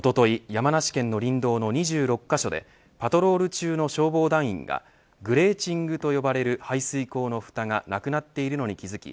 山梨県の林道の２６カ所でパトロール中の消防団員がグレーチングと呼ばれる排水溝のふたがなくなっているのに気付き